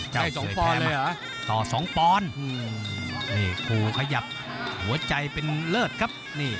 กล้ายสองปอนเลยหรอต่อสองปอนผู้ขยับหัวใจเป็นเลิศครับ